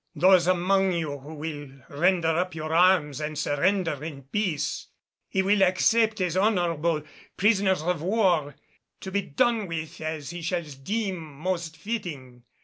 Those among you who will render up your arms and surrender in peace, he will accept as honorable prisoners of war, to be done with as he shall deem most fitting.